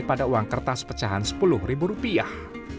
pada uang kertas pecahan sepuluh ribu rupiah